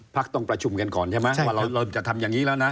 ต้องประชุมกันก่อนใช่ไหมว่าเราจะทำอย่างนี้แล้วนะ